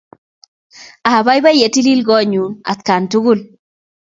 Apaipai ye tilil konyun atkan tukul